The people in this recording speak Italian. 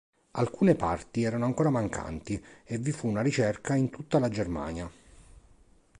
Alcune parti erano ancora mancanti e vi fu una ricerca in tutta la Germania.